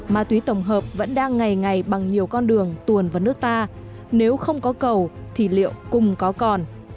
ma túy tổng hợp vẫn đang ngày ngày bằng nhiều con đường tuồn vào nước ta nếu không có cầu thì liệu cùng có còn